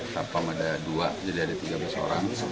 sapam ada dua jadi ada tiga belas orang